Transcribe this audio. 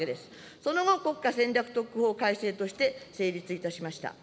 その後、国家戦略特区法改正として成立いたしました。